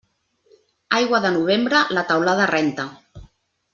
Aigua de novembre, la teulada renta.